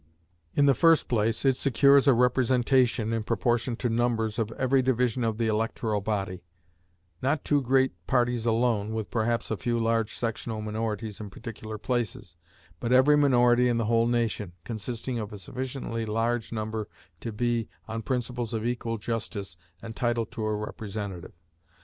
In the first place, it secures a representation, in proportion to numbers, of every division of the electoral body: not two great parties alone, with perhaps a few large sectional minorities in particular places, but every minority in the whole nation, consisting of a sufficiently large number to be, on principles of equal justice, entitled to a representative.